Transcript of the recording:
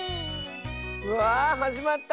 うわあはじまった。